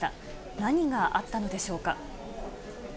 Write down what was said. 何があったのでしょうか。